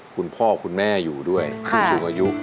คุณพ่อคุณแม่อยู่ด้วยผู้สูงอายุ